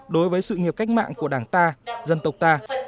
đối với sự nghiệp cách mạng của đảng ta dân tộc ta